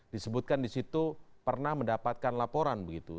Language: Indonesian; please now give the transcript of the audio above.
disebutkan disitu pernah mendapatkan laporan begitu